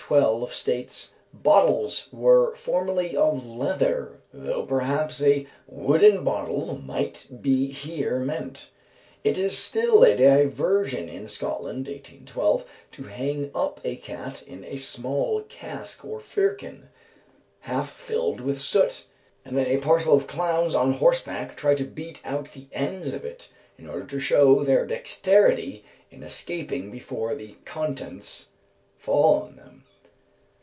1812, states: "Bottles were formerly of leather, though perhaps a wooden bottle might be here meant. It is still a diversion in Scotland (1812) to hang up a cat in a small cask or firkin, half filled with soot, and then a parcel of clowns on horseback try to beat out the ends of it, in order to show their dexterity in escaping before the contents fall on them."